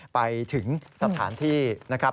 ไปถึงสถานที่นะครับ